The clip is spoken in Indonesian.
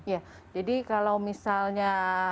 iya jadi kalau misalnya